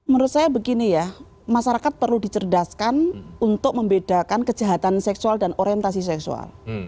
menurut saya begini ya masyarakat perlu dicerdaskan untuk membedakan kejahatan seksual dan orientasi seksual